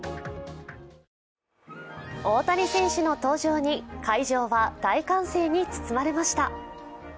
大谷選手の登場に会場は大歓声に包まれました。